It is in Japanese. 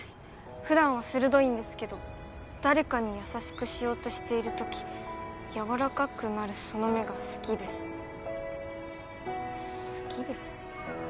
普段は鋭いんですけど誰かに優しくしようとしているときやわらかくなるその目が好きです好きです？